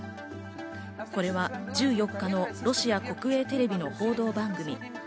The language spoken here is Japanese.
これは１４日のロシア国営テレビの報道番組。